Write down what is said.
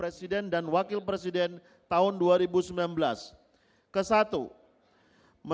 yang benar berarti jadi dipilih pemilikis tim